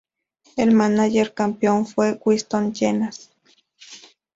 El mánager campeón fue Winston Llenas.